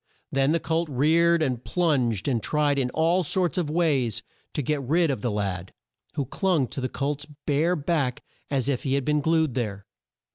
Then the colt reared and plunged and tried in all sorts of ways to get rid of the lad, who clung to the colt's bare back as if he had been glued there.